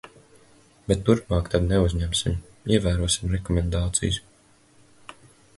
Bet turpmāk tad neuzņemsim, ievērosim rekomendācijas.